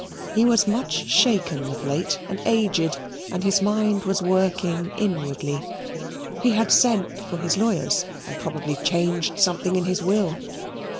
He was much shaken of late, and aged, and his mind was working inwardly. He had sent for his lawyers, and probably changed something in his will.